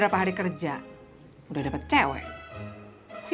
maka tadi ceritain faintnya ga n curry toh gaking